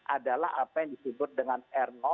adalah apa yang disebut dengan r